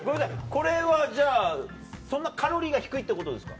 これはじゃあカロリーが低いってことですか？